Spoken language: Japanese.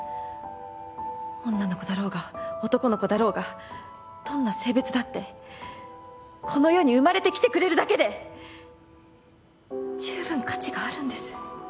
女の子だろうが男の子だろうがどんな性別だってこの世に生まれてきてくれるだけでじゅうぶん価値があるんです。